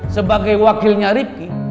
sebagai wakilnya rifki